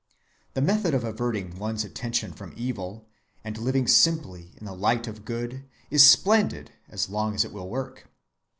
The method of averting one's attention from evil, and living simply in the light of good is splendid as long as it will work.